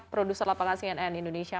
produser lapangan cnn indonesia